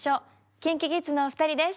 ＫｉｎＫｉＫｉｄｓのお二人です。